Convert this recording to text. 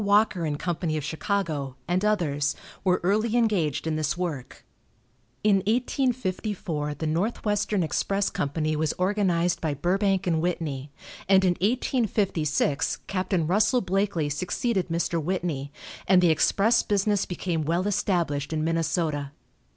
Walker & Company of Chicago, and others, were early engaged in this work. In 1854 the Northwestern Express Company was organized by Burbank & Whitney, and in 1856 Captain Russell Blakeley succeeded Mr. Whitney, and the express business became well established in Minnesota.